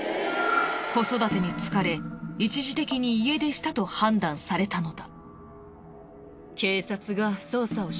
子育てに疲れ一時的に家出したと判断されたのだ。